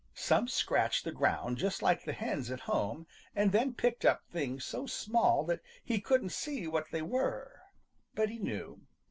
Some scratched the ground just like the hens at home, and then picked up things so small that he couldn't see what they were. But he knew.